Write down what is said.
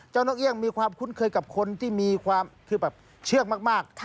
เจ้านกเอียงมีความคุ้นเคยกับคนที่มีความเชื่อกมาก